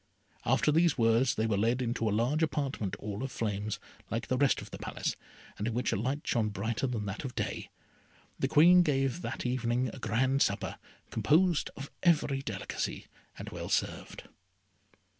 After these words they were led into a large apartment, all of flames, like the rest of the Palace, and in which a light shone brighter than that of day. The Queen gave that evening a grand supper, composed of every delicacy, and well served.